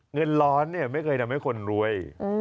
เงินร้อนเนี่ยไม่เคยทำให้คนรวย